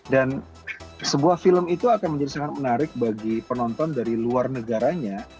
dan sebuah film itu akan menjadi sangat menarik bagi penonton dari luar negaranya